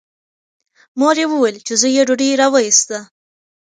مور یې وویل چې زوی یې ډوډۍ راوایسته.